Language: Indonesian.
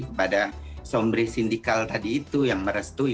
kepada sombri sindikal tadi itu yang merestui